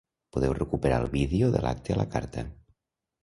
Podeu recuperar el vídeo de l’acte a la carta.